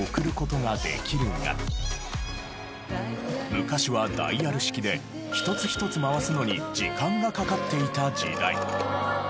昔はダイヤル式で１つ１つ回すのに時間がかかっていた時代。